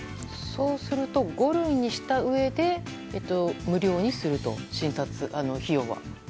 そうすると五類にしたうえで無料にすると診察費用を。